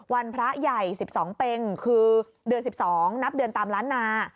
พระใหญ่๑๒เป็งคือเดือน๑๒นับเดือนตามล้านนา